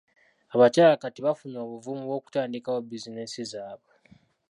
Abakyala kati bafunye obuvumu bw'okutandikawo bizinesi zaabwe.